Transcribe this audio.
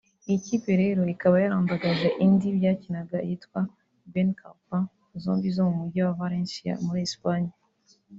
Iyi kipe rero ikaba yarandagaje indi byakinaga yitwa Benicalap zombi zo mu mujyi wa Valencia muri Espagne